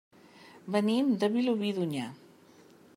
Venim de Vilobí d'Onyar.